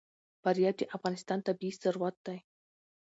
فاریاب د افغانستان طبعي ثروت دی.